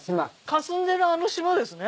かすんでるあの島ですね。